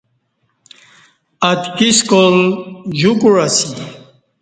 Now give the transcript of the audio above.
اتکی سکال جوکوع اسی۔